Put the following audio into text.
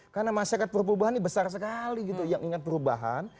karena masyarakat perubahan ini besar sekali gitu yang ingat perubahan